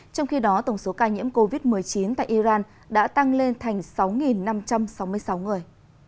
trong khi đó tổng số ca nhiễm covid một mươi chín tại iran đã tăng lên thành sáu năm trăm sáu mươi sáu người